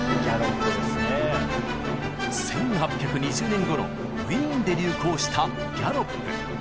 １８２０年ごろウィーンで流行したギャロップ。